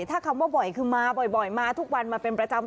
ถ้าคำว่าบ่อยคือมาบ่อยมาทุกวันมาเป็นประจำ